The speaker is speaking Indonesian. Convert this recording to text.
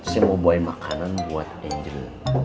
saya mau buat makanan buat angel